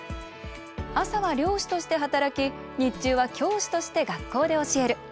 朝は漁師として働き日中は教師として学校で教える。